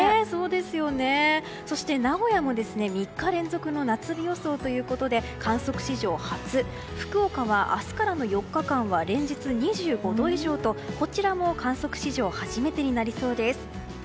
そして、名古屋も３日連続の夏日予想ということで観測史上初福岡は明日からの４日間は連日、２５度以上とこちらも観測史上初めてになりそうです。